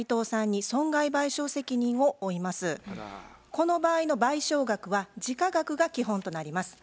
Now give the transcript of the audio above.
この場合の賠償額は時価額が基本となります。